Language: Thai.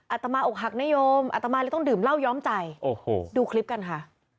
อาตมาอกหักนโยมอัตมาเลยต้องดื่มเหล้าย้อมใจโอ้โหดูคลิปกันค่ะ